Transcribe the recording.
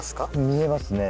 見えますね